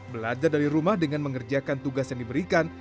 belajar dari rumah dengan mengerjakan tugas yang diberikan